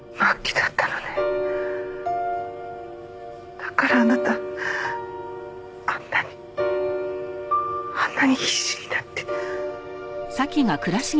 だからあなたあんなにあんなに必死になって。